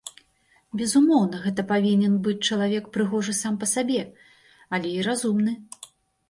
Безумоўна, гэта павінен быць чалавек прыгожы сам па сабе, але і разумны.